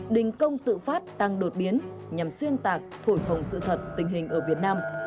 đình công tự phát tăng đột biến nhằm xuyên tạc thổi phòng sự thật tình hình ở việt nam